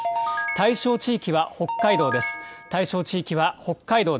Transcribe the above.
対象地域は北海道です。